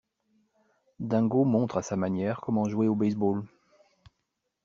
Dingo montre à sa manière comment jouer au baseball.